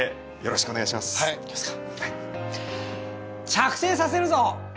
着生させるぞ！